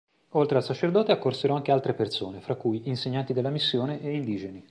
Oltre al sacerdote, accorsero anche altre persone, fra cui insegnanti della missione e indigeni.